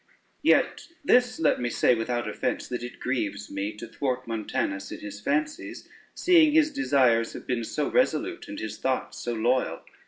Yet this let me say without offence, that it grieves me to thwart Montanus in his fancies, seeing his desires have been so resolute, and his thoughts so loyal.